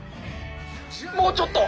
もうちょっと！